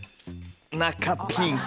中ピンク。